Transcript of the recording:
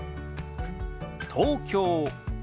「東京」。